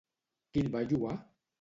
Qui el va lloar?